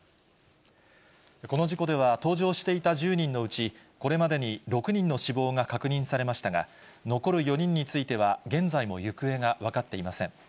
この事故では、搭乗していた１０人のうち、これまでに６人の死亡が確認されましたが、残る４人については、現在も行方が分かっていません。